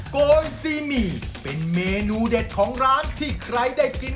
โกนซีหมี่เป็นเมนูเด็ดของร้านที่ใครได้กิน